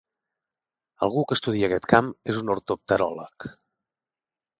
Algú que estudia aquest camp és un ortopteròleg.